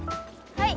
はい。